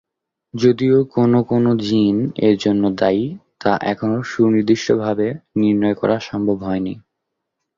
যদিও কোন কোন জিন এজন্য দায়ী, তা এখনো সুনির্দিষ্টভাবে নির্ণয় করা সম্ভব হয়নি।